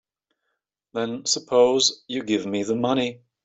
Then suppose you give me the money.